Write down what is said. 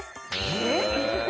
えっ？